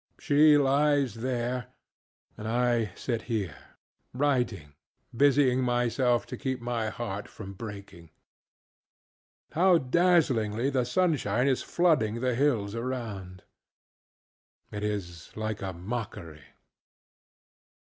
She lies there, and I sit hereŌĆöwriting, busying myself, to keep my heart from breaking. How dazzlingly the sunshine is flooding the hills around! It is like a mockery.